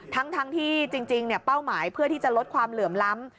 ทั้งที่จริงเป้าหมายเพื่อที่จะลดความเหลื่อมล้ำ